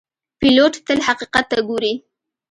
پیلوټ تل حقیقت ته ګوري.